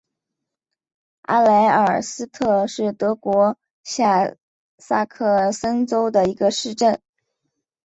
阿莱尔斯特是德国下萨克森州的一个市镇。